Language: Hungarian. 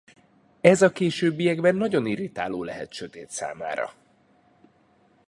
Ez a későbbiekben nagyon irritáló lehet sötét számára.